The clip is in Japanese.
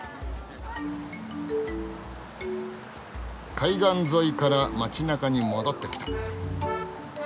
海岸沿いから街なかに戻ってきた。